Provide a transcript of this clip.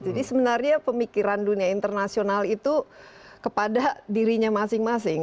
jadi sebenarnya pemikiran dunia internasional itu kepada dirinya masing masing